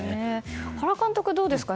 原監督はどうですか？